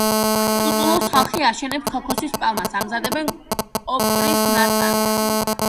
ტულუს ხალხი აშენებს ქოქოსის პალმას, ამზადებენ კოპრის ნაწარმს.